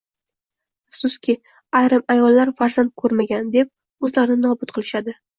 Afsuski, ayrim ayollar farzand ko‘raman, deb o‘zlarini nobud qilishadi.